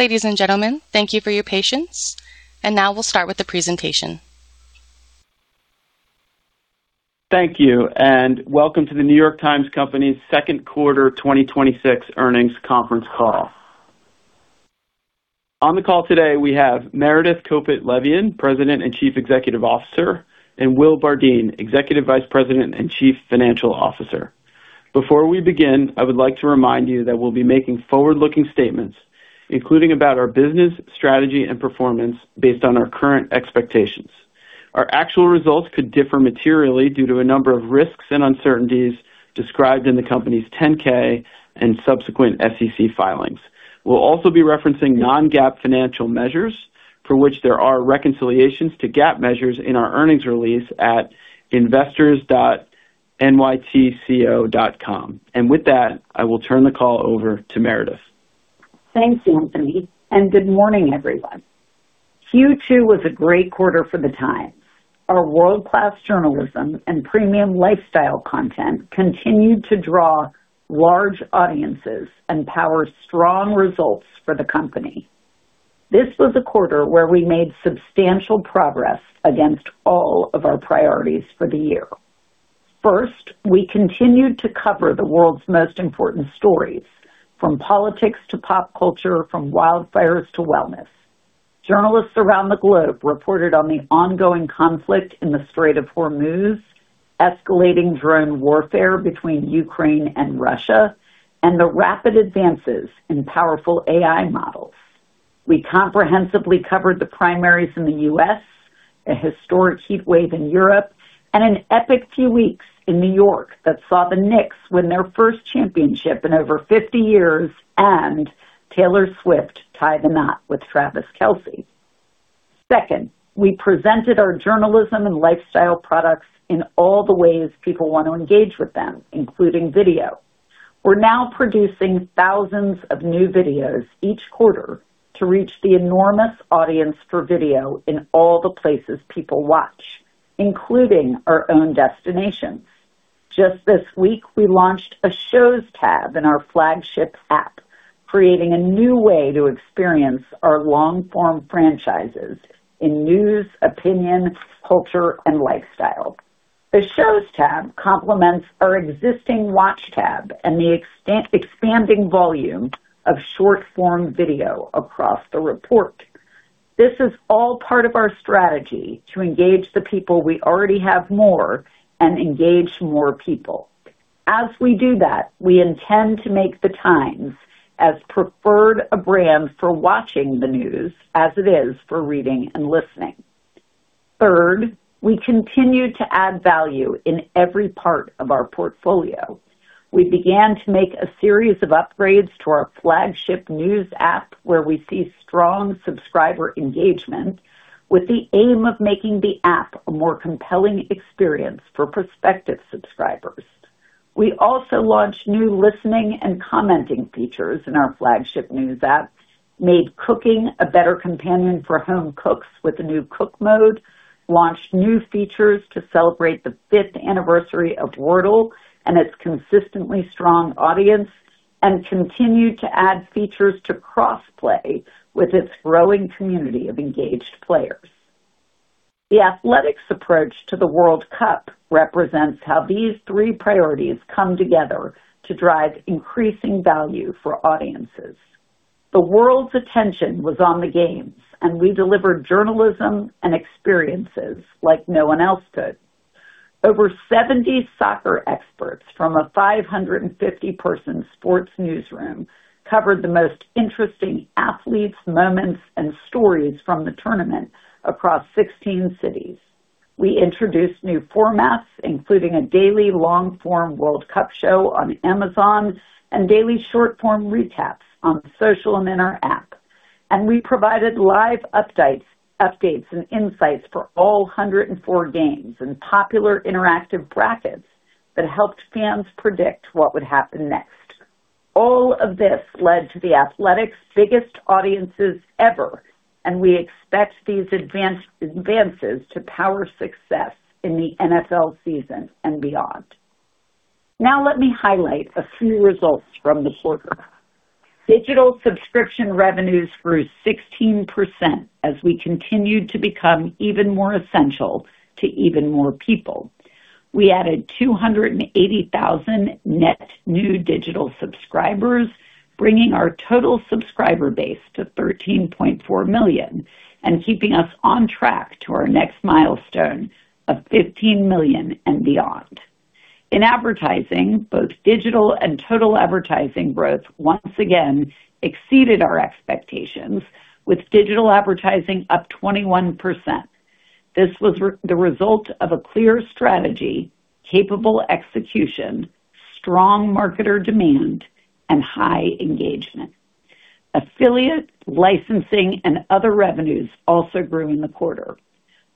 Ladies and gentlemen, thank you for your patience. Now we'll start with the presentation. Thank you. Welcome to The New York Times Company second quarter 2026 earnings conference call. On the call today, we have Meredith Kopit Levien, President and Chief Executive Officer, and Will Bardeen, Executive Vice President and Chief Financial Officer. Before we begin, I would like to remind you that we'll be making forward-looking statements, including about our business, strategy, and performance based on our current expectations. Our actual results could differ materially due to a number of risks and uncertainties described in the company's 10-K and subsequent SEC filings. We'll also be referencing non-GAAP financial measures for which there are reconciliations to GAAP measures in our earnings release at investors.nytco.com. With that, I will turn the call over to Meredith. Thanks, Anthony. Good morning, everyone. Q2 was a great quarter for The Times. Our world-class journalism and premium lifestyle content continued to draw large audiences and power strong results for the company. This was a quarter where we made substantial progress against all of our priorities for the year. First, we continued to cover the world's most important stories, from politics to pop culture, from wildfires to wellness. Journalists around the globe reported on the ongoing conflict in the Strait of Hormuz, escalating drone warfare between Ukraine and Russia, and the rapid advances in powerful AI models. We comprehensively covered the primaries in the U.S., a historic heatwave in Europe, and an epic few weeks in New York that saw the Knicks win their first championship in over 50 years and Taylor Swift tie the knot with Travis Kelce. Second, we presented our journalism and lifestyle products in all the ways people want to engage with them, including video. We're now producing thousands of new videos each quarter to reach the enormous audience for video in all the places people watch, including our own destinations. Just this week, we launched a Shows tab in our flagship app, creating a new way to experience our long-form franchises in news, opinion, culture, and lifestyle. The Shows tab complements our existing Watch tab and the expanding volume of short-form video across the report. This is all part of our strategy to engage the people we already have more and engage more people. As we do that, we intend to make The Times as preferred a brand for watching the news as it is for reading and listening. Third, we continued to add value in every part of our portfolio. We began to make a series of upgrades to our flagship news app, where we see strong subscriber engagement with the aim of making the app a more compelling experience for prospective subscribers. We also launched new listening and commenting features in our flagship news app, made cooking a better companion for home cooks with the new Cook Mode, launched new features to celebrate the fifth anniversary of Wordle and its consistently strong audience, continued to add features to Crossplay with its growing community of engaged players. The Athletic's approach to the World Cup represents how these three priorities come together to drive increasing value for audiences. The world's attention was on the games, we delivered journalism and experiences like no one else could. Over 70 soccer experts from a 550-person sports newsroom covered the most interesting athletes, moments, and stories from the tournament across 16 cities. We introduced new formats, including a daily long-form World Cup show on Amazon and daily short-form recaps on social and in our app. We provided live updates and insights for all 104 games and popular interactive brackets that helped fans predict what would happen next. All of this led to The Athletic's biggest audiences ever, we expect these advances to power success in the NFL season and beyond. Let me highlight a few results from the quarter. Digital subscription revenues grew 16% as we continued to become even more essential to even more people. We added 280,000 net new digital subscribers, bringing our total subscriber base to 13.4 million and keeping us on track to our next milestone of 15 million and beyond. In advertising, both digital and total advertising growth once again exceeded our expectations with digital advertising up 21%. This was the result of a clear strategy, capable execution, strong marketer demand, and high engagement. Affiliate licensing and other revenues also grew in the quarter.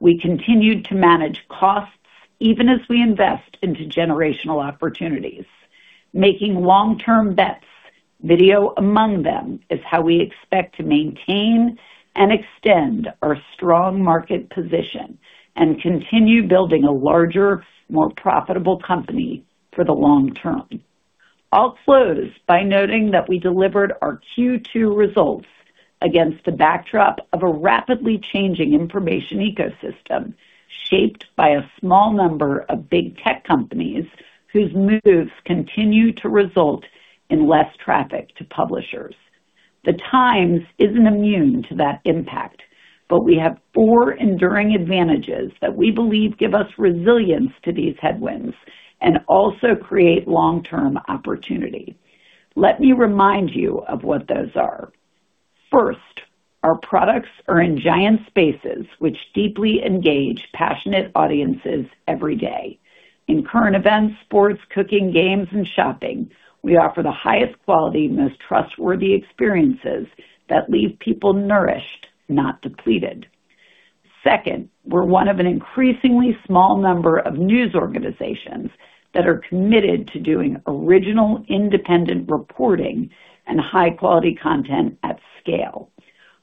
We continued to manage costs even as we invest into generational opportunities. Making long-term bets, video among them, is how we expect to maintain and extend our strong market position and continue building a larger, more profitable company for the long term. I'll close by noting that we delivered our Q2 results against the backdrop of a rapidly changing information ecosystem shaped by a small number of big tech companies whose moves continue to result in less traffic to publishers. The Times isn't immune to that impact, we have four enduring advantages that we believe give us resilience to these headwinds and also create long-term opportunity. Let me remind you of what those are. First, our products are in giant spaces which deeply engage passionate audiences every day. In current events, sports, cooking, games, and shopping, we offer the highest quality, most trustworthy experiences that leave people nourished, not depleted. Second, we're one of an increasingly small number of news organizations that are committed to doing original, independent reporting and high-quality content at scale.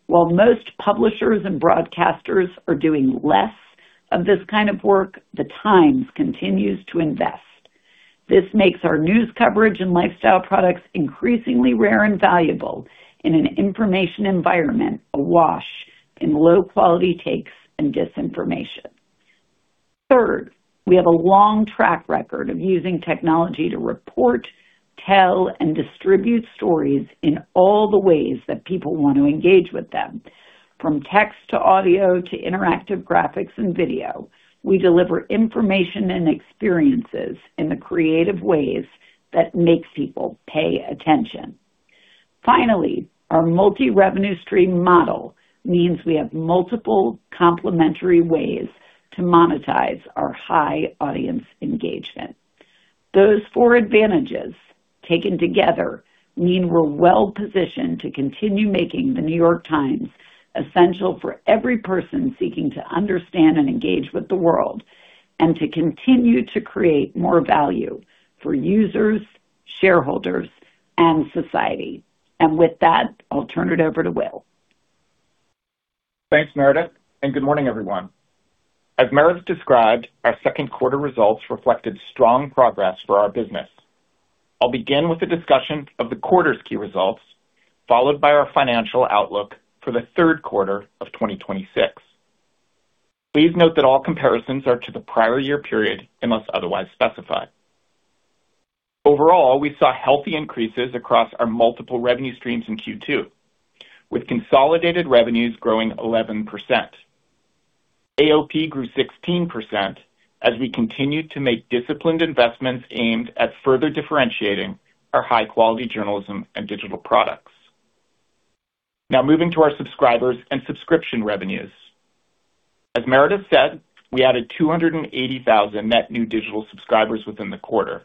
While most publishers and broadcasters are doing less of this kind of work, The Times continues to invest. This makes our news coverage and lifestyle products increasingly rare and valuable in an information environment awash in low-quality takes and disinformation. Third, we have a long track record of using technology to report, tell, and distribute stories in all the ways that people want to engage with them, from text to audio to interactive graphics and video. We deliver information and experiences in the creative ways that make people pay attention. Our multi-revenue stream model means we have multiple complementary ways to monetize our high audience engagement. Those four advantages, taken together, mean we're well-positioned to continue making The New York Times essential for every person seeking to understand and engage with the world, and to continue to create more value for users, shareholders, and society. With that, I'll turn it over to Will. Thanks, Meredith, and good morning, everyone. As Meredith described, our second quarter results reflected strong progress for our business. I'll begin with a discussion of the quarter's key results, followed by our financial outlook for the third quarter of 2026. Please note that all comparisons are to the prior year period unless otherwise specified. Overall, we saw healthy increases across our multiple revenue streams in Q2, with consolidated revenues growing 11%. AOP grew 16% as we continued to make disciplined investments aimed at further differentiating our high-quality journalism and digital products. Moving to our subscribers and subscription revenues. As Meredith said, we added 280,000 net new digital subscribers within the quarter,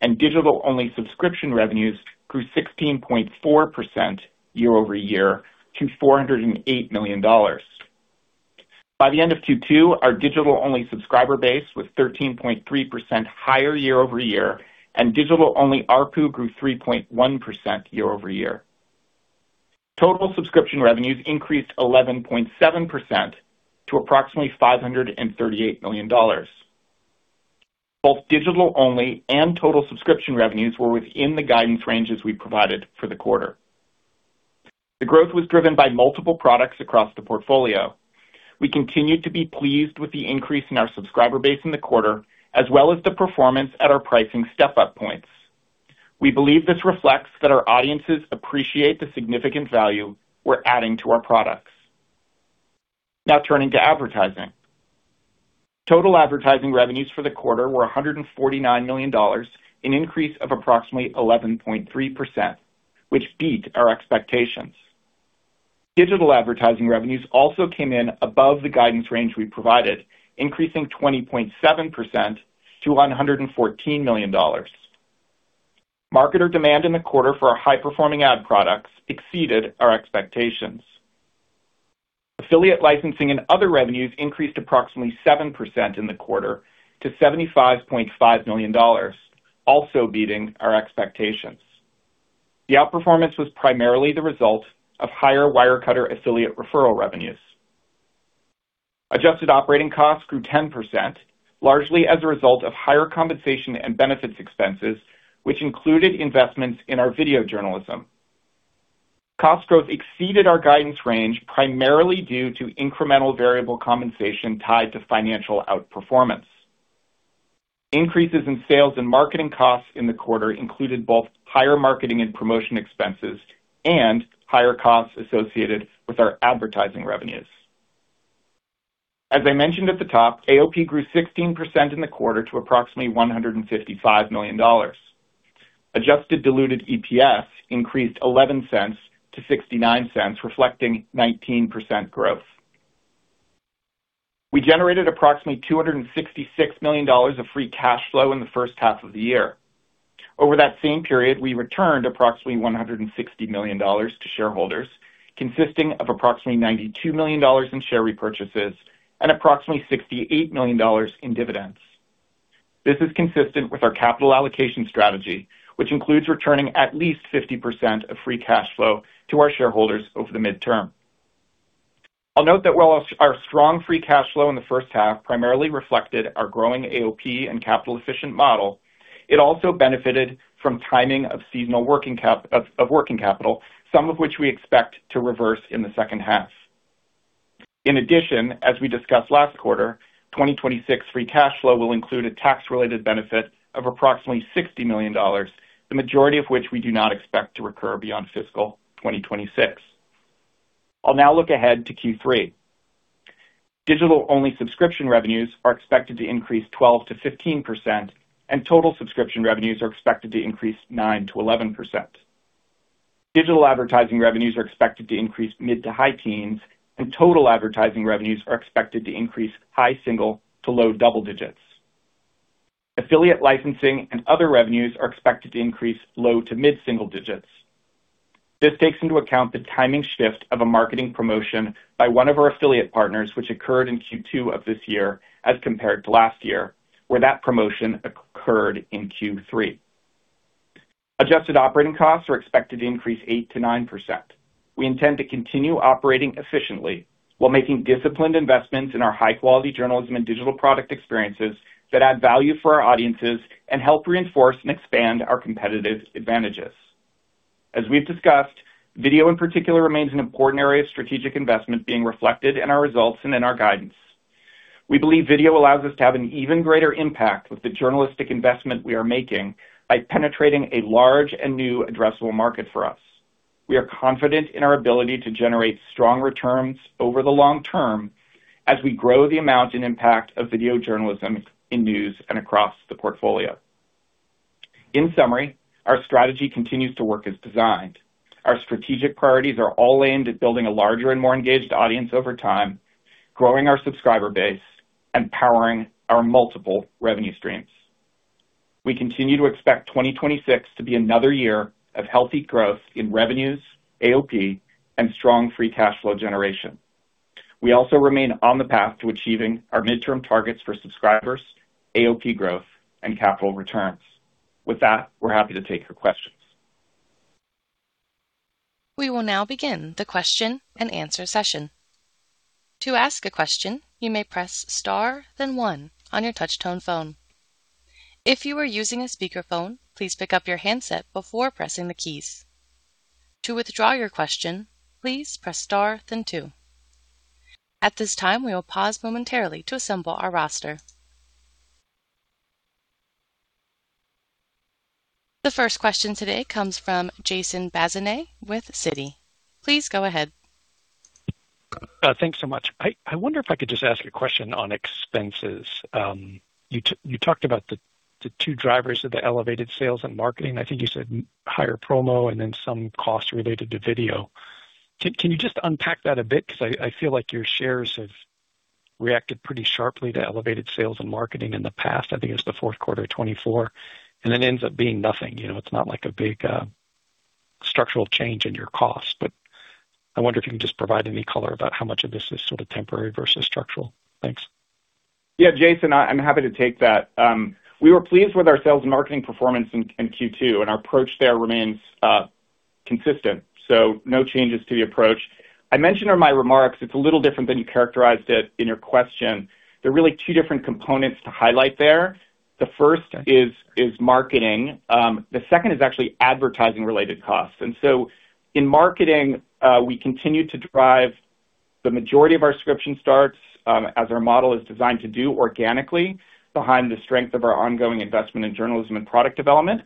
and digital-only subscription revenues grew 16.4% year-over-year to $408 million. By the end of Q2, our digital-only subscriber base was 13.3% higher year-over-year, and digital-only ARPU grew 3.1% year-over-year. Total subscription revenues increased 11.7% to approximately $538 million. Both digital-only and total subscription revenues were within the guidance ranges we provided for the quarter. The growth was driven by multiple products across the portfolio. We continue to be pleased with the increase in our subscriber base in the quarter, as well as the performance at our pricing step-up points. We believe this reflects that our audiences appreciate the significant value we're adding to our products. Turning to advertising. Total advertising revenues for the quarter were $149 million, an increase of approximately 11.3%, which beat our expectations. Digital advertising revenues also came in above the guidance range we provided, increasing 20.7% to $114 million. Marketer demand in the quarter for our high-performing ad products exceeded our expectations. Affiliate licensing and other revenues increased approximately 7% in the quarter to $75.5 million, also beating our expectations. The outperformance was primarily the result of higher Wirecutter affiliate referral revenues. Adjusted operating costs grew 10%, largely as a result of higher compensation and benefits expenses, which included investments in our video journalism. Cost growth exceeded our guidance range, primarily due to incremental variable compensation tied to financial outperformance. Increases in sales and marketing costs in the quarter included both higher marketing and promotion expenses and higher costs associated with our advertising revenues. As I mentioned at the top, AOP grew 16% in the quarter to approximately $155 million. Adjusted diluted EPS increased $0.11 to $0.69, reflecting 19% growth. We generated approximately $266 million of free cash flow in the first half of the year. Over that same period, we returned approximately $160 million to shareholders, consisting of approximately $92 million in share repurchases and approximately $68 million in dividends. This is consistent with our capital allocation strategy, which includes returning at least 50% of free cash flow to our shareholders over the midterm. I'll note that while our strong free cash flow in the first half primarily reflected our growing AOP and capital efficient model, it also benefited from timing of seasonal of working capital, some of which we expect to reverse in the second half. In addition, as we discussed last quarter, 2026 free cash flow will include a tax-related benefit of approximately $60 million, the majority of which we do not expect to recur beyond fiscal 2026. I'll now look ahead to Q3. Digital-only subscription revenues are expected to increase 12%-15%, and total subscription revenues are expected to increase 9%-11%. Digital advertising revenues are expected to increase mid to high teens, and total advertising revenues are expected to increase high single to low double digits. Affiliate licensing and other revenues are expected to increase low to mid single digits. This takes into account the timing shift of a marketing promotion by one of our affiliate partners, which occurred in Q2 of this year as compared to last year, where that promotion occurred in Q3. Adjusted operating costs are expected to increase 8%-9%. We intend to continue operating efficiently while making disciplined investments in our high-quality journalism and digital product experiences that add value for our audiences and help reinforce and expand our competitive advantages. As we've discussed, video in particular remains an important area of strategic investment being reflected in our results and in our guidance. We believe video allows us to have an even greater impact with the journalistic investment we are making by penetrating a large and new addressable market for us. We are confident in our ability to generate strong returns over the long term as we grow the amount and impact of video journalism in news and across the portfolio. In summary, our strategy continues to work as designed. Our strategic priorities are all aimed at building a larger and more engaged audience over time, growing our subscriber base, and powering our multiple revenue streams. We continue to expect 2026 to be another year of healthy growth in revenues, AOP, and strong free cash flow generation. We also remain on the path to achieving our midterm targets for subscribers, AOP growth, and capital returns. With that, we're happy to take your questions. We will now begin the question-and-answer session. To ask a question, you may press star then one on your touch tone phone. If you are using a speakerphone, please pick up your handset before pressing the keys. To withdraw your question, please press star then two. At this time, we will pause momentarily to assemble our roster. The first question today comes from Jason Bazinet with Citi. Please go ahead. Thanks so much. I wonder if I could just ask a question on expenses. You talked about the two drivers of the elevated sales and marketing. I think you said higher promo and then some cost related to video. Can you just unpack that a bit? I feel like your shares have reacted pretty sharply to elevated sales and marketing in the past. I think it was the fourth quarter of 2024. It ends up being nothing. It's not like a big structural change in your cost. I wonder if you can just provide any color about how much of this is sort of temporary versus structural. Thanks. Yeah, Jason, I'm happy to take that. We were pleased with our sales and marketing performance in Q2. Our approach there remains consistent. No changes to the approach. I mentioned in my remarks it's a little different than you characterized it in your question. There are really two different components to highlight there. The first is marketing. The second is actually advertising-related costs. In marketing, we continue to drive the majority of our subscription starts, as our model is designed to do organically behind the strength of our ongoing investment in journalism and product development.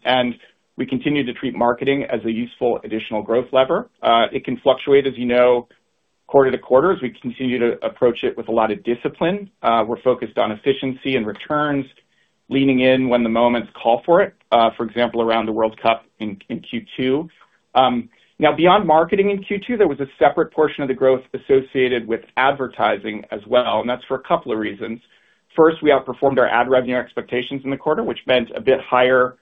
We continue to treat marketing as a useful additional growth lever. It can fluctuate, as you know, quarter to quarter, as we continue to approach it with a lot of discipline. We're focused on efficiency and returns, leaning in when the moments call for it. For example, around the World Cup in Q2. Beyond marketing in Q2, there was a separate portion of the growth associated with advertising as well. That's for a couple of reasons. First, we outperformed our ad revenue expectations in the quarter, which meant a bit higher ad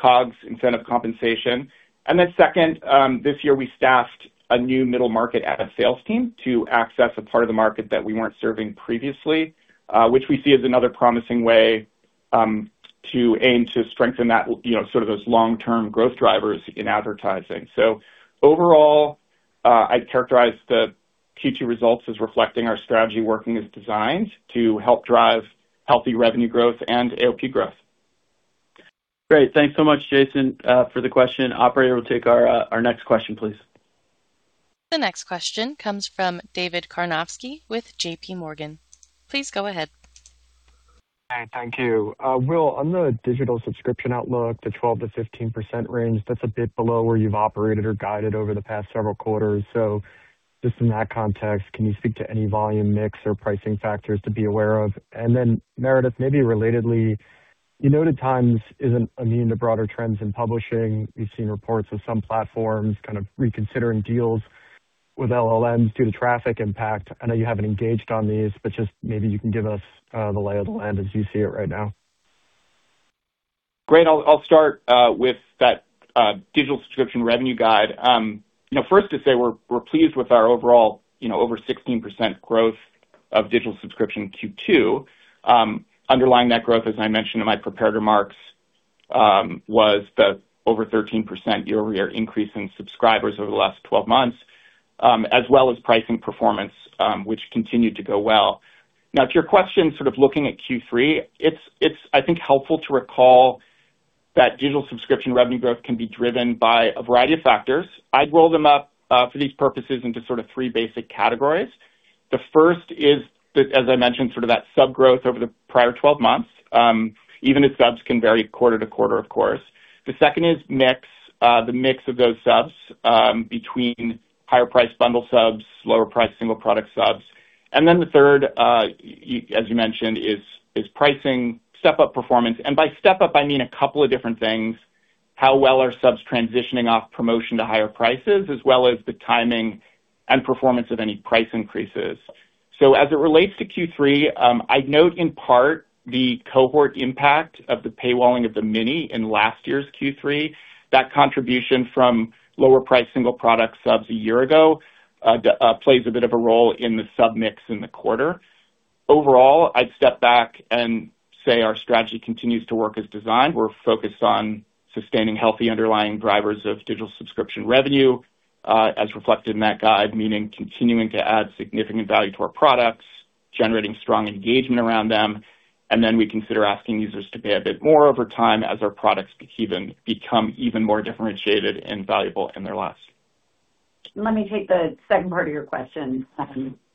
COGS incentive compensation. Second, this year we staffed a new middle market ad sales team to access a part of the market that we weren't serving previously, which we see as another promising way to aim to strengthen those long-term growth drivers in advertising. Overall, I'd characterize the Q2 results as reflecting our strategy working as designed to help drive healthy revenue growth and AOP growth. Great. Thanks so much, Jason, for the question. Operator, we'll take our next question, please. The next question comes from David Karnovsky with JPMorgan. Please go ahead. Hi. Thank you. Will, on the digital subscription outlook, the 12%-15% range, that's a bit below where you've operated or guided over the past several quarters. Just in that context, can you speak to any volume mix or pricing factors to be aware of? Meredith, maybe relatedly, you noted The Times isn't immune to broader trends in publishing. We've seen reports of some platforms kind of reconsidering deals with LLMs due to traffic impact. I know you haven't engaged on these, but just maybe you can give us the lay of the land as you see it right now. Great. I'll start with that digital subscription revenue guide. First to say we're pleased with our overall over 16% growth of digital subscription in Q2. Underlying that growth, as I mentioned in my prepared remarks, was the over 13% year-over-year increase in subscribers over the last 12 months, as well as pricing performance, which continued to go well. To your question, sort of looking at Q3, it's, I think, helpful to recall that digital subscription revenue growth can be driven by a variety of factors. I'd roll them up for these purposes into sort of three basic categories. The first is, as I mentioned, sort of that sub growth over the prior 12 months, even if subs can vary quarter-to-quarter, of course. The second is mix, the mix of those subs between higher-priced bundle subs, lower-priced single product subs. The third, as you mentioned, is pricing step-up performance. By step-up, I mean a couple of different things. How well are subs transitioning off promotion to higher prices, as well as the timing and performance of any price increases. As it relates to Q3, I'd note in part the cohort impact of the paywalling of The Mini in last year's Q3. That contribution from lower-priced single product subs a year ago plays a bit of a role in the sub mix in the quarter. I'd step back and say our strategy continues to work as designed. We're focused on sustaining healthy underlying drivers of digital subscription revenue, as reflected in that guide, meaning continuing to add significant value to our products, generating strong engagement around them, and then we consider asking users to pay a bit more over time as our products become even more differentiated and valuable in their lives. Let me take the second part of your question,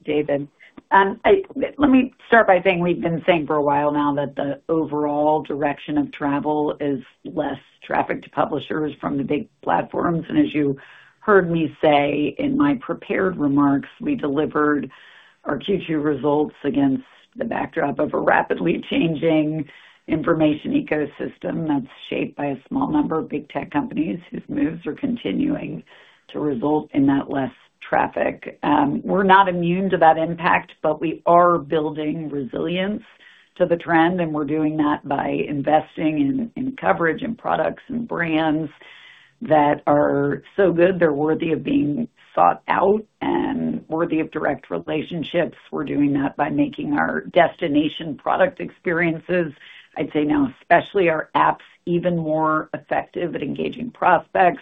David. Let me start by saying we've been saying for a while now that the overall direction of travel is less traffic to publishers from the big platforms. As you heard me say in my prepared remarks, we delivered our Q2 results against the backdrop of a rapidly changing information ecosystem that's shaped by a small number of big tech companies whose moves are continuing to result in that less traffic. We're not immune to that impact, but we are building resilience to the trend, and we're doing that by investing in coverage, in products and brands that are so good they're worthy of being sought out and worthy of direct relationships. We're doing that by making our destination product experiences, I'd say now especially our apps, even more effective at engaging prospects.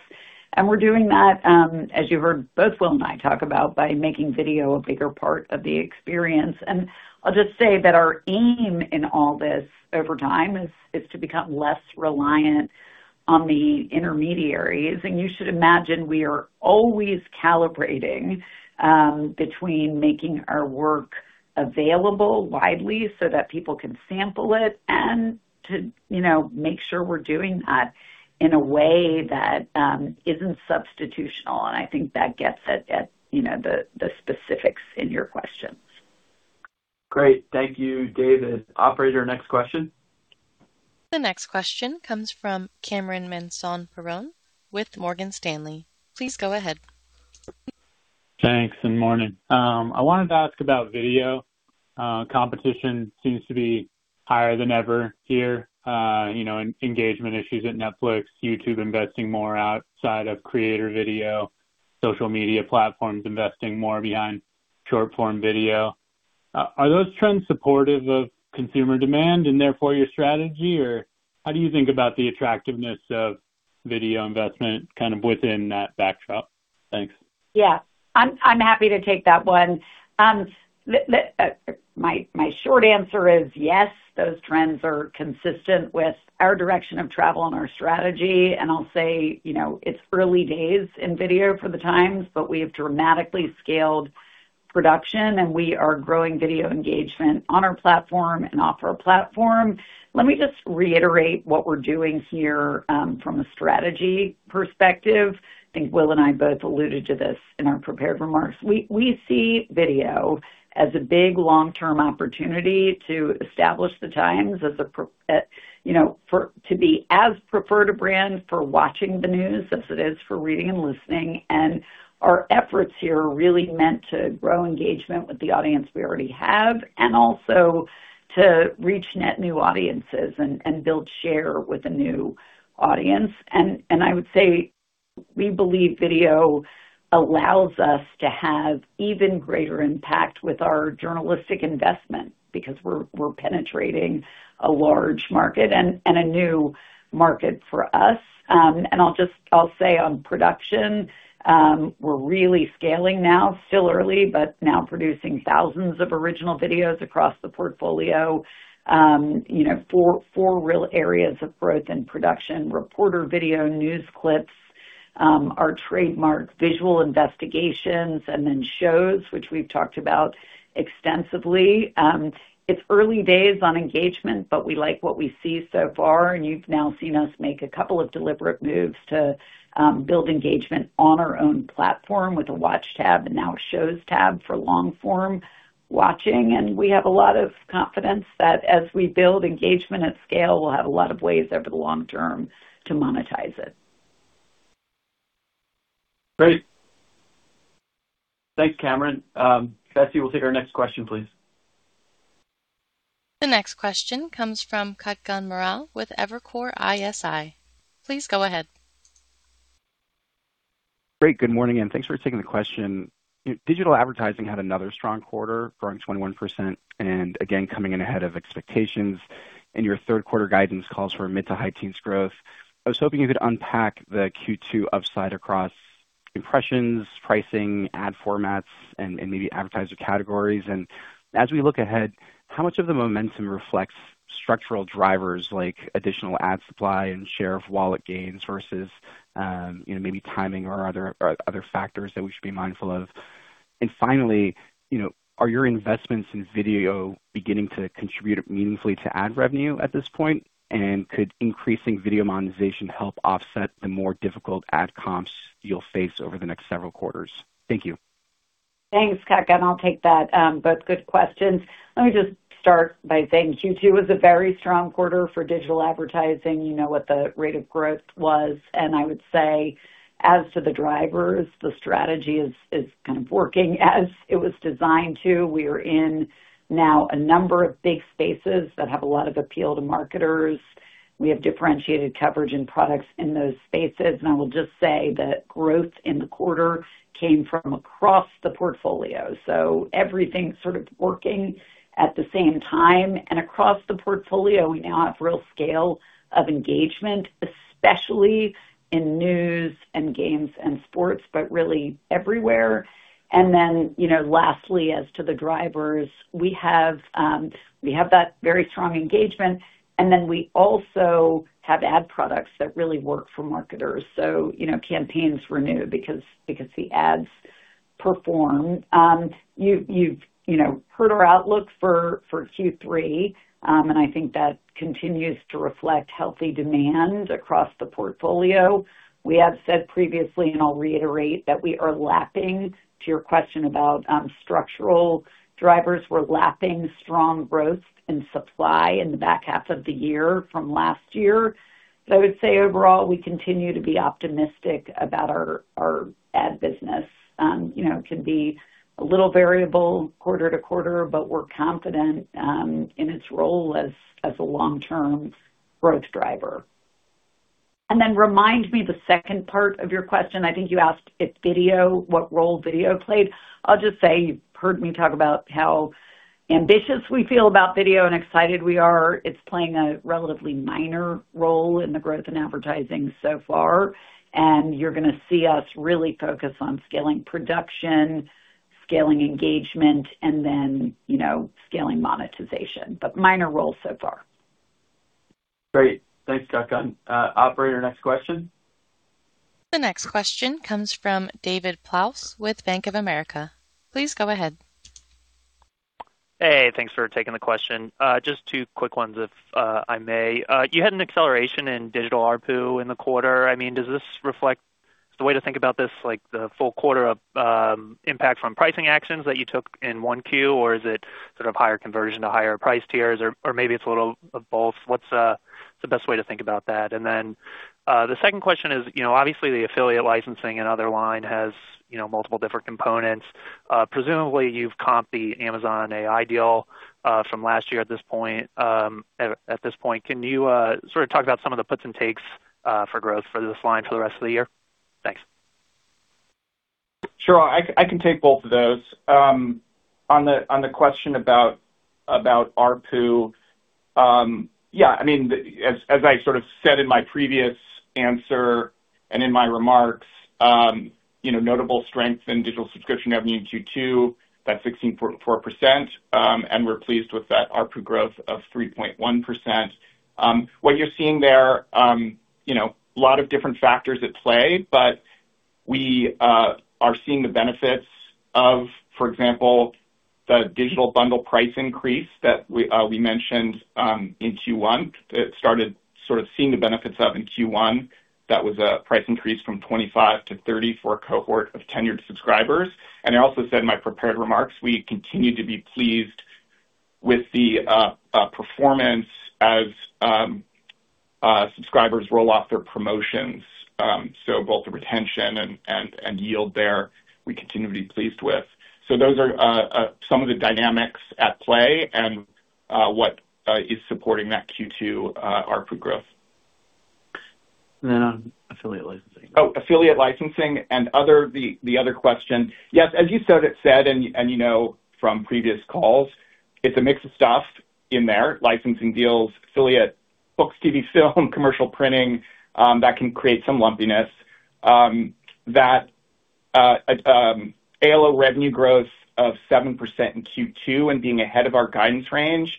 We're doing that, as you heard both Will and I talk about, by making video a bigger part of the experience. I'll just say that our aim in all this over time is to become less reliant on the intermediaries. You should imagine we are always calibrating between making our work available widely so that people can sample it and to make sure we're doing that in a way that isn't substitutional. I think that gets at the specifics in your questions. Great. Thank you, David. Operator, next question. The next question comes from Cameron Mansson-Perrone with Morgan Stanley. Please go ahead. Thanks, and morning. I wanted to ask about video. Competition seems to be higher than ever here, engagement issues at Netflix, YouTube investing more outside of creator video, social media platforms investing more behind short-form video. Are those trends supportive of consumer demand and therefore your strategy, or how do you think about the attractiveness of video investment kind of within that backdrop? Thanks. Yeah. I'm happy to take that one. My short answer is yes, those trends are consistent with our direction of travel and our strategy. I'll say it's early days in video for The Times, but we have dramatically scaled production. We are growing video engagement on our platform and off our platform. Let me just reiterate what we're doing here from a strategy perspective. I think Will and I both alluded to this in our prepared remarks. We see video as a big long-term opportunity to establish The Times to be as preferred a brand for watching the news as it is for reading and listening. Our efforts here are really meant to grow engagement with the audience we already have and also to reach net new audiences and build share with the new audience. I would say we believe video allows us to have even greater impact with our journalistic investment because we're penetrating a large market and a new market for us. I'll say on production, we're really scaling now. Still early, but now producing thousands of original videos across the portfolio. Four real areas of growth in production, reporter video, news clips, our trademark visual investigations, and then shows, which we've talked about extensively. It's early days on engagement, but we like what we see so far. You've now seen us make a couple of deliberate moves to build engagement on our own platform with a watch tab and now a shows tab for long-form watching. We have a lot of confidence that as we build engagement at scale, we'll have a lot of ways over the long term to monetize it. Great. Thanks, Cameron. Betsy, we'll take our next question, please. The next question comes from Kutgun Maral with Evercore ISI. Please go ahead. Great. Good morning, and thanks for taking the question. Digital advertising had another strong quarter, growing 21%, and again, coming in ahead of expectations. Your third quarter guidance calls for mid to high teens growth. I was hoping you could unpack the Q2 upside across impressions, pricing, ad formats, and maybe advertiser categories. As we look ahead, how much of the momentum reflects structural drivers like additional ad supply and share of wallet gains versus maybe timing or other factors that we should be mindful of? Finally, are your investments in video beginning to contribute meaningfully to ad revenue at this point? Could increasing video monetization help offset the more difficult ad comps you'll face over the next several quarters? Thank you. Thanks, Kutgun. I'll take that. Both good questions. Let me just start by saying Q2 was a very strong quarter for digital advertising, you know what the rate of growth was. I would say, as to the drivers, the strategy is kind of working as it was designed to. We are in now a number of big spaces that have a lot of appeal to marketers. We have differentiated coverage and products in those spaces. I will just say that growth in the quarter came from across the portfolio. Everything sort of working at the same time. Across the portfolio, we now have real scale of engagement, especially in news and games and sports, but really everywhere. Lastly, as to the drivers, we have that very strong engagement, and then we also have ad products that really work for marketers. Campaigns renew because the ads perform. You've heard our outlook for Q3, and I think that continues to reflect healthy demand across the portfolio. We have said previously, and I'll reiterate, that we are lapping, to your question about structural drivers, we're lapping strong growth in supply in the back half of the year from last year. I would say overall, we continue to be optimistic about our ad business. It can be a little variable quarter to quarter, but we're confident in its role as a long-term growth driver. Remind me the second part of your question. I think you asked what role video played. I'll just say you've heard me talk about how ambitious we feel about video and excited we are. It's playing a relatively minor role in the growth in advertising so far, and you're going to see us really focus on scaling production, scaling engagement, and then scaling monetization, but minor role so far. Great. Thanks, Kutgun. Operator, next question. The next question comes from David Plaus with Bank of America. Please go ahead. Hey, thanks for taking the question. Just two quick ones if I may. You had an acceleration in digital ARPU in the quarter. Is the way to think about this like the full quarter of impact from pricing actions that you took in 1Q? Or is it sort of higher conversion to higher price tiers? Or maybe it's a little of both. What's the best way to think about that? Then, the second question is, obviously the affiliate licensing and other line has multiple different components. Presumably, you've comped the Amazon AI deal from last year at this point. Can you sort of talk about some of the puts and takes for growth for this line for the rest of the year? Thanks. Sure. I can take both of those. On the question about ARPU. As I sort of said in my previous answer and in my remarks, notable strength in digital subscription revenue in Q2. That's 16.4%, and we're pleased with that ARPU growth of 3.1%. What you're seeing there, lot of different factors at play, but we are seeing the benefits of, for example, the digital bundle price increase that we mentioned in Q1. It started sort of seeing the benefits of in Q1. That was a price increase from 25 to 30 for a cohort of tenured subscribers. I also said in my prepared remarks, we continue to be pleased with the performance as subscribers roll off their promotions. Both the retention and yield there, we continue to be pleased with. Those are some of the dynamics at play and what is supporting that Q2 ARPU growth. On affiliate licensing? Affiliate licensing and the other question. As you said, and you know from previous calls, it's a mix of stuff in there. Licensing deals, affiliate books, TV, film, commercial printing, that can create some lumpiness. That ALO revenue growth of 7% in Q2 and being ahead of our guidance range,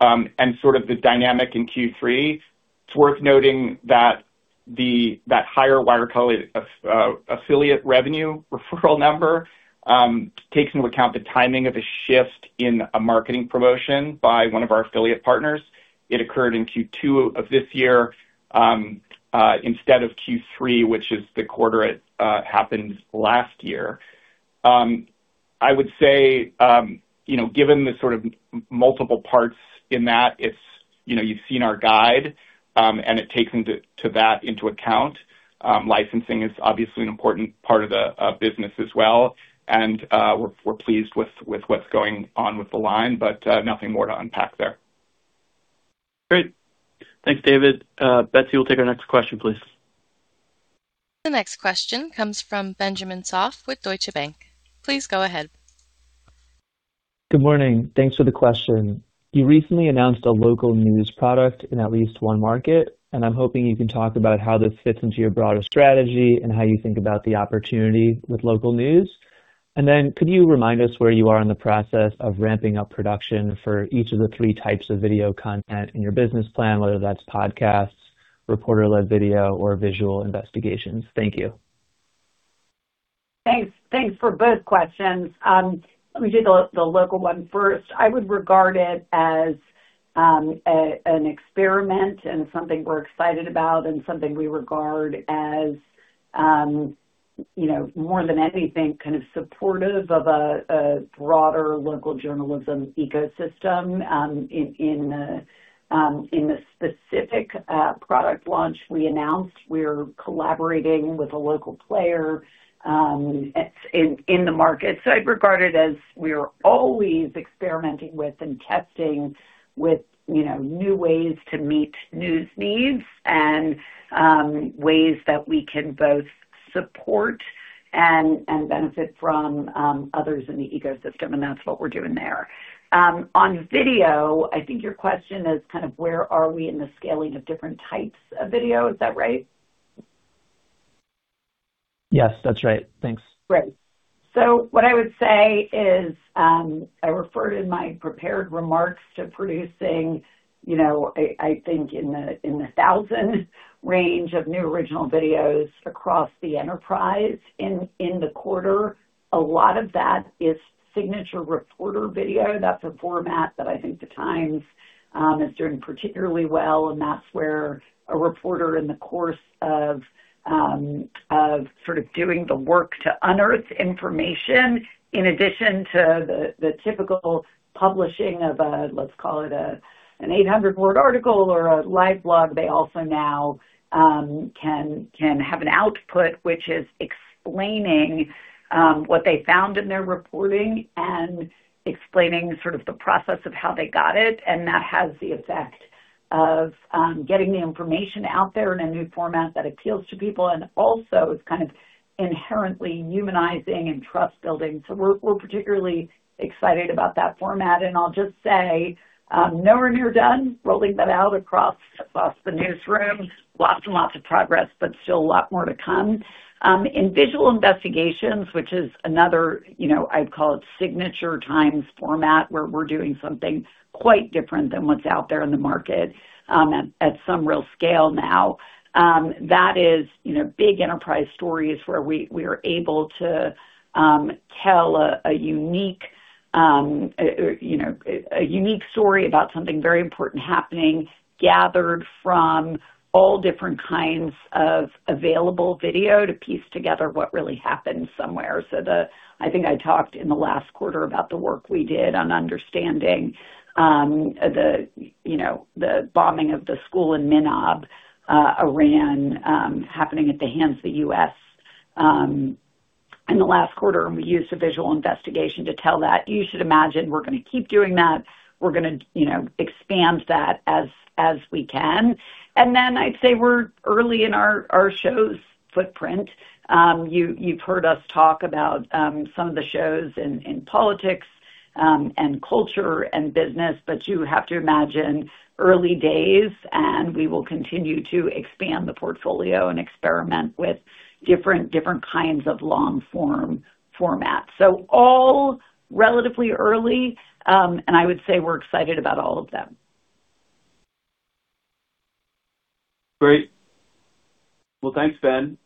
and sort of the dynamic in Q3, it's worth noting that higher Wirecutter affiliate revenue referral number takes into account the timing of a shift in a marketing promotion by one of our affiliate partners. It occurred in Q2 of this year instead of Q3, which is the quarter it happened last year. I would say, given the sort of multiple parts in that, you've seen our guide, and it takes that into account. Licensing is obviously an important part of the business as well, we're pleased with what's going on with the line, nothing more to unpack there. Great. Thanks, David. Betsy, we'll take our next question, please. The next question comes from Benjamin Soff with Deutsche Bank. Please go ahead. Good morning. Thanks for the question. You recently announced a local news product in at least one market, I'm hoping you can talk about how this fits into your broader strategy and how you think about the opportunity with local news. Then could you remind us where you are in the process of ramping up production for each of the three types of video content in your business plan, whether that's podcasts, reporter-led video, or visual investigations? Thank you. Thanks. Thanks for both questions. Let me do the local one first. I would regard it as an experiment and something we're excited about and something we regard as, more than anything, kind of supportive of a broader local journalism ecosystem. In the specific product launch we announced, we're collaborating with a local player in the market. I'd regard it as we're always experimenting with and testing with new ways to meet news needs and ways that we can both support and benefit from others in the ecosystem, and that's what we're doing there. On video, I think your question is kind of where are we in the scaling of different types of video. Is that right? Yes, that's right. Thanks. Great. What I would say is, I referred in my prepared remarks to producing, I think in the thousand range of new original videos across the enterprise in the quarter. A lot of that is signature reporter video. That's a format that I think The Times is doing particularly well, and that's where a reporter, in the course of sort of doing the work to unearth information, in addition to the typical publishing of a, let's call it an 800-word article or a live blog, they also now can have an output which is explaining what they found in their reporting and explaining sort of the process of how they got it, and that has the effect of getting the information out there in a new format that appeals to people and also is kind of inherently humanizing and trust-building. We're particularly excited about that format. I'll just say, nowhere near done rolling that out across the newsroom. Lots and lots of progress, still a lot more to come. In visual investigations, which is another, I'd call it signature Times format, where we're doing something quite different than what's out there in the market at some real scale now. That is big enterprise stories where we are able to tell a unique story about something very important happening, gathered from all different kinds of available video to piece together what really happened somewhere. I think I talked in the last quarter about the work we did on understanding the bombing of the school in Minab, Iran, happening at the hands of the U.S. in the last quarter, we used a visual investigation to tell that. You should imagine we're going to keep doing that. We're going to expand that as we can. I'd say we're early in our shows footprint. You've heard us talk about some of the shows in politics and culture and business, you have to imagine early days, we will continue to expand the portfolio and experiment with different kinds of long-form formats. All relatively early, I would say we're excited about all of them. Great. Well, thanks, Ben.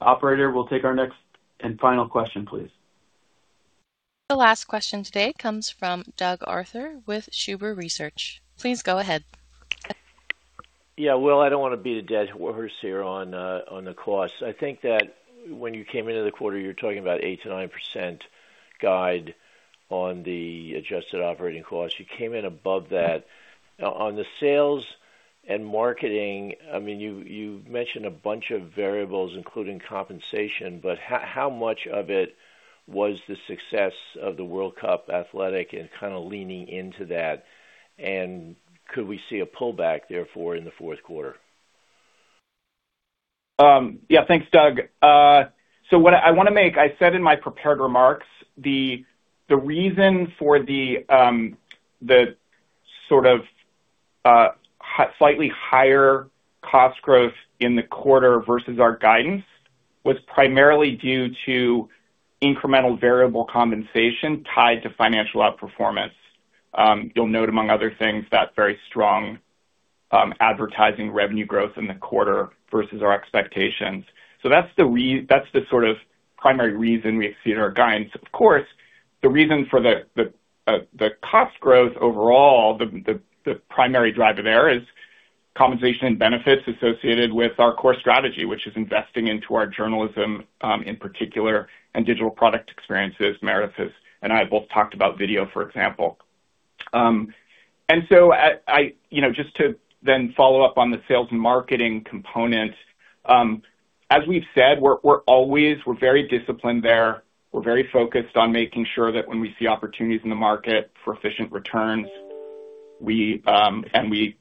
Operator, we'll take our next and final question, please. The last question today comes from Doug Arthur with Huber Research. Please go ahead. Yeah. Will, I don't want to beat a dead horse here on the costs. I think that when you came into the quarter, you were talking about 8%-9% guide on the adjusted operating costs. You came in above that. On the sales and marketing, you mentioned a bunch of variables, including compensation, but how much of it was the success of the World Cup Athletic and kind of leaning into that? Could we see a pullback therefore in the fourth quarter? Yeah. Thanks, Doug. I said in my prepared remarks the reason for the sort of slightly higher cost growth in the quarter versus our guidance was primarily due to incremental variable compensation tied to financial outperformance. You'll note, among other things, that very strong advertising revenue growth in the quarter versus our expectations. That's the sort of primary reason we exceeded our guidance. Of course, the reason for the cost growth overall, the primary driver there is compensation and benefits associated with our core strategy, which is investing into our journalism, in particular, and digital product experiences. Meredith and I both talked about video, for example. Just to then follow up on the sales and marketing component, as we've said, we're very disciplined there. We're very focused on making sure that when we see opportunities in the market for efficient returns, and we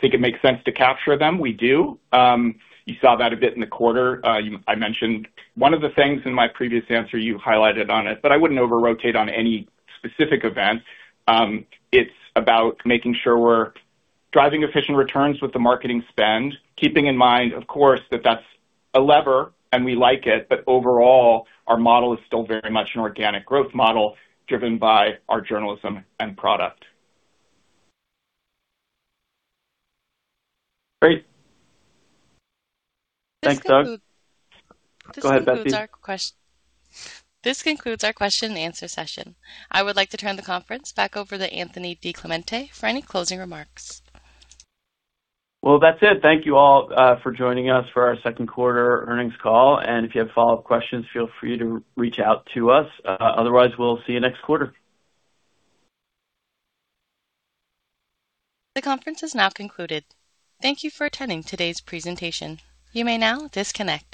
think it makes sense to capture them, we do. You saw that a bit in the quarter. I mentioned one of the things in my previous answer you highlighted on it, but I wouldn't over-rotate on any specific event. It's about making sure we're driving efficient returns with the marketing spend, keeping in mind, of course, that that's a lever and we like it, but overall, our model is still very much an organic growth model driven by our journalism and product. Great. Thanks, Doug. Go ahead, Betsy. This concludes our question-and-answer session. I would like to turn the conference back over to Anthony DiClemente for any closing remarks. Well, that's it. Thank you all for joining us for our second quarter earnings call. If you have follow-up questions, feel free to reach out to us. Otherwise, we'll see you next quarter. The conference is now concluded. Thank you for attending today's presentation. You may now disconnect.